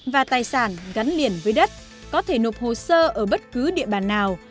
và tài sản gắn liền với đất có thể nộp hồ sơ ở bất cứ địa bàn nào